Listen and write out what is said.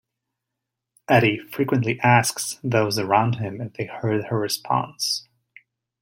Eddie frequently asks those around him if they heard her response.